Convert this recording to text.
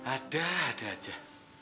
ada ada aja